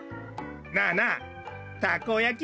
なあなあたこやき